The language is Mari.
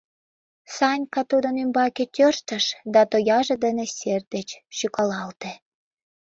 Санька тудын ӱмбаке тӧрштыш да тояже дене сер деч шӱкалалте.